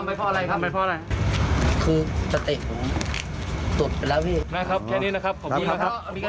นายครับแค่นี้ครับของของนี่นะครับ